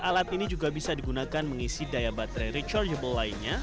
alat ini juga bisa digunakan mengisi daya baterai rechargeable lainnya